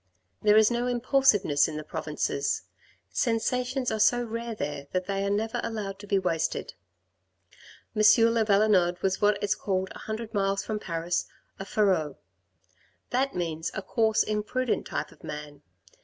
There is no impulsiveness in the provinces. 152 THE RED AND THE BLACK Sensations are so rare there that they are never allowed to be wasted. M. le Valenod was what is called a hundred miles from Paris n/araud; that means a coarse imprudent type of man.